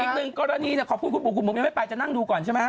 อีกหนึ่งกรณีขอบคุณคุณปู่คุณบุ๋มยังไม่ไปจะนั่งดูก่อนใช่ไหม